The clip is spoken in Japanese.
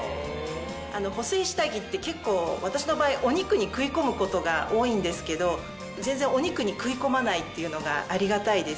補整下着って結構私の場合お肉に食い込むことが多いんですけど全然お肉に食い込まないっていうのがありがたいです。